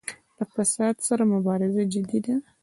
د فساد سره مبارزه جدي ده؟